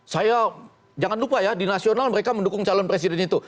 saya jangan lupa ya di nasional mereka mendukung calon presiden itu